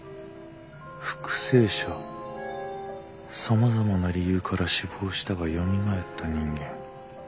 さまざまな理由から死亡したがよみがえった人間。